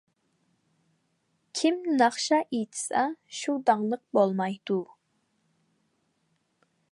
كىم ناخشا ئېيتسا شۇ داڭلىق بولمايدۇ.